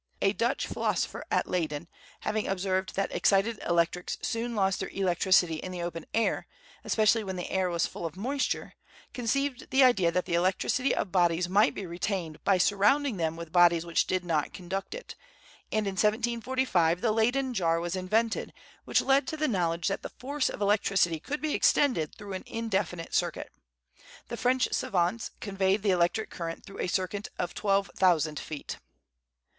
A Dutch philosopher at Leyden, having observed that excited electrics soon lost their electricity in the open air, especially when the air was full of moisture, conceived the idea that the electricity of bodies might be retained by surrounding them with bodies which did not conduct it; and in 1745 the Leyden jar was invented, which led to the knowledge that the force of electricity could be extended through an indefinite circuit. The French savants conveyed the electric current through a circuit of twelve thousand feet.